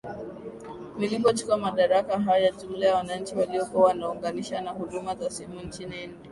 nilipochukua madaraka haya jumla ya wananchi waliokuwa wanaunganisha na huduma ya simu nchini india